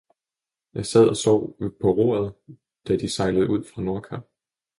Jeg sad og sov på roret, da de sejlede ud fra Nordkap!